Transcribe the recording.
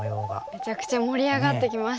めちゃくちゃ盛り上がってきましたね。